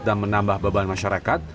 dan menambah beban masyarakat